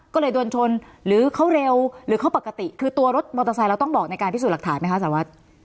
ก็เลยโดนชนหรือเขาเร็วหรือเขาปกติคือตัวรถมอเตอร์ไซค์เราต้องบอกในการพิสูจน์หลักฐานไหมคะสารวัตร